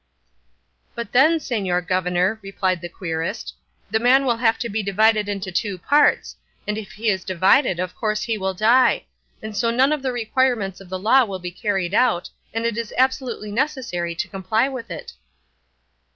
"But then, señor governor," replied the querist, "the man will have to be divided into two parts; and if he is divided of course he will die; and so none of the requirements of the law will be carried out, and it is absolutely necessary to comply with it."